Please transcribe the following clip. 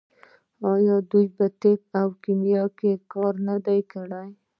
آیا دوی په طب او کیمیا کې کار نه دی کړی؟